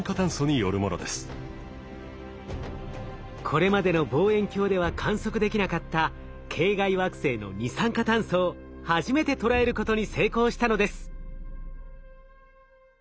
これまでの望遠鏡では観測できなかった系外惑星の二酸化炭素を初めて捉えることに成功したのです。